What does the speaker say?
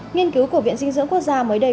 nghiên cứu của viện dinh dưỡng quốc gia mới đây